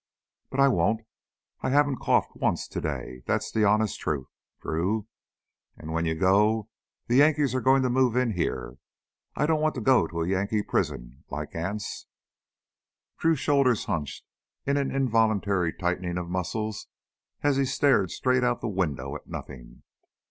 But I won't! I haven't coughed once today, that's the honest truth, Drew. And when you go, the Yankees are goin' to move in here. I don't want to go to a Yankee prison, like Anse " Drew's shoulders hunched in an involuntary tightening of muscles as he stared straight out of the window at nothing.